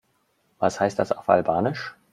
Was heißt das auf Albanisch?